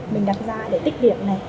mình đặt ra để tích điểm này